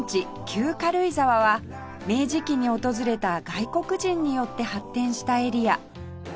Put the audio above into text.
旧軽井沢は明治期に訪れた外国人によって発展したエリア